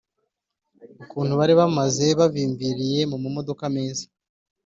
ukuntu bari bameze, bavimviriye mu mamodoka meza